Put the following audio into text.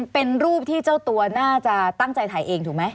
เป็นรูปที่เจ้าตัวน่าจะตั้งใจถ่ายเองถูกไหม